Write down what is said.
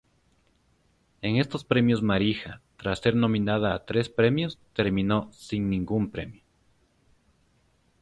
En estos premios Marija, tras ser nominada a tres premios, terminó sin ningún premio.